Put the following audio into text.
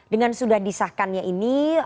dengan sudah disahkannya ini